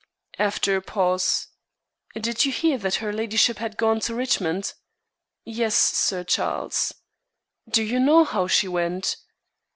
After a pause. "Did you hear that her ladyship had gone to Richmond?" "Yes, Sir Charles." "Do you know how she went?"